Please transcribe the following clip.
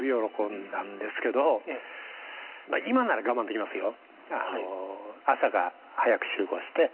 今なら我慢できますよ。